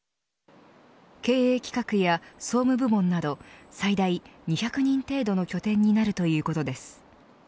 経営企画や総務部門など最大２００人程度の拠点になるということです。